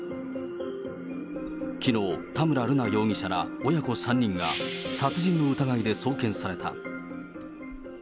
きのう、田村瑠奈容疑者ら親子３人が、殺人の疑いで送検された。